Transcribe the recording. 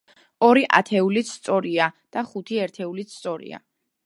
ორი ათეულიც სწორია და ხუთი ერთეულიც სწორია.